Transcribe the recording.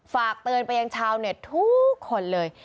ฝากเตือนไปยังชาวเน็ตทุกคนเลย